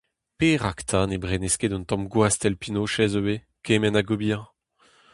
Perak 'ta ne brenez ket un tamm gwastell pinochez ivez, kement hag ober !